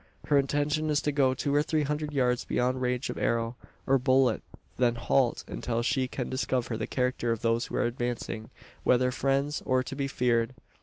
Her intention is to go two or three hundred yards beyond range of arrow, or bullet then halt, until she can discover the character of those who are advancing whether friends, or to be feared.